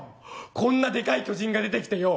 こんなデカい巨人が出てきてよ